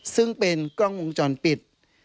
ซึ่งเป็นกล้องวงจรปิด